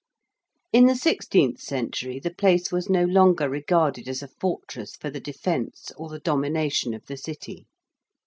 In the sixteenth century the place was no longer regarded as a fortress for the defence or the domination of the City.